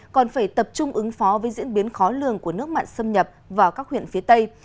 còn phải tập trung ứng phó với diễn biến khó lường của nước mặn xâm nhập vào các huyện phía tây